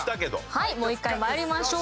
はいもう１回まいりましょう。